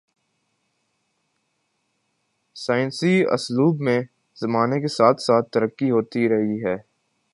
سائنسی اسلوب میں زمانے کے ساتھ ساتھ ترقی ہوتی رہی ہے